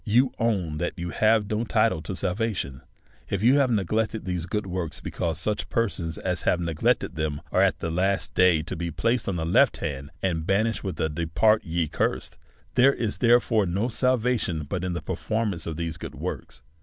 Vou own that you have no title to salvation, if you have neglected these good works ; because such per sons as have neglected them are at the last day to be placed on the left hand, and banished with a depart ye cursed. There is, therefore, no salvation but in the performance of these good works.